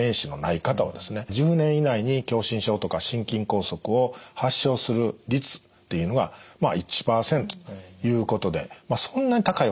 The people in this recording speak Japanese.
１０年以内に狭心症とか心筋梗塞を発症する率っていうのがまあ１％ということでそんなに高いわけではないんですね。